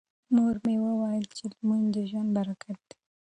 مور مې وویل چې لمونځ د ژوند برکت دی.